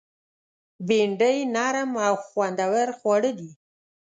بېنډۍ نرم او خوندور خواړه دي